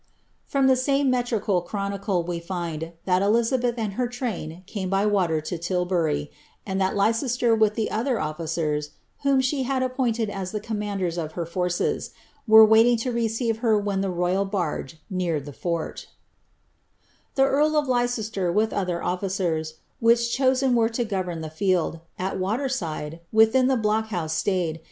'' From Ihe same metticai chronicle we find, that Elizabeth and her train came by water lo Tilbury, and that Leicester with the other offi cers, whom she had appointed as the commanders of her forces, were waiting lo receive her when the loyal barge neared ihe fort; " The earl of Leicester, with those officers Which chosen were to govern in Ihe fielJ, At water side, within the Block House siay'd.